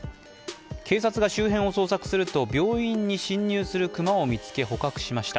警察が周辺を捜索すると病院に侵入する熊を見つけ捕獲しました。